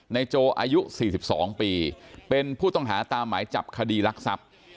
ในโจอายุสี่สิบสองปีเป็นผู้ต้องหาตามหมายจับคดีรักษัพ